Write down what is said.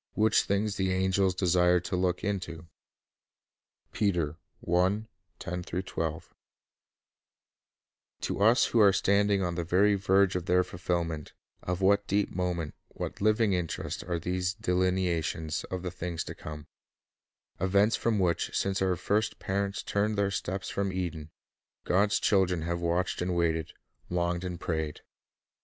. which things the angels desire to look into." 1 To us who are standing on the very verge of their fulfilment, of what deep moment, what living interest, are these delineations of the things to come, — events for which, since our first parents turned their steps from Eden, God's children have watched and waited, longed and prayed!